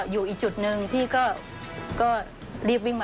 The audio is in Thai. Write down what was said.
สวัสดีครับ